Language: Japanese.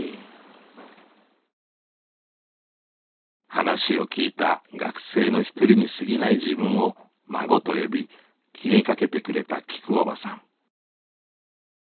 話を聞いた学生の一人にすぎない自分を孫と呼び気にかけてくれたきくおばさん。